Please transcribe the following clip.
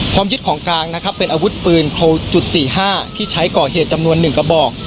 ยึดของกลางนะครับเป็นอาวุธปืนจุด๔๕ที่ใช้ก่อเหตุจำนวน๑กระบอก